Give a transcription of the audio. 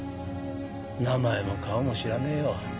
名前も顔も知らねえよ。